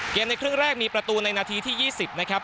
ในครึ่งแรกมีประตูในนาทีที่๒๐นะครับ